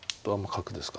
角ですか。